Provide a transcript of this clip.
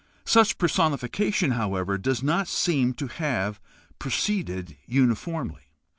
Such personification, however, does not seem to have proceeded uniformly.